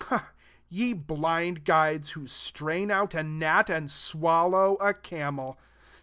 24 Ye blind guides, who strain out a gnat, and swallow a camel